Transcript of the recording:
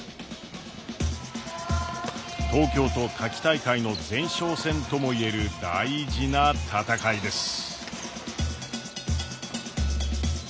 東京都夏季大会の前哨戦とも言える大事な戦いです。